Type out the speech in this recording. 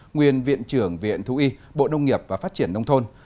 nguyên viện trưởng viện thú y bộ nông nghiệp và phát triển nông thôn